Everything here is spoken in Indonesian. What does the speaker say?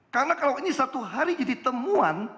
karena kalau ini satu hari jadi temuan